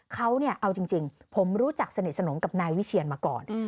เขาเอาจริงผมรู้จักสนิทสนมกับนายวิเชียนมาก่อน